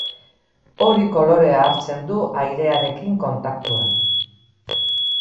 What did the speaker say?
Hori kolorea hartzen du airearekin kontaktuan.